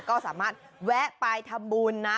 ก็สามารถแวะไปทำบุญนะ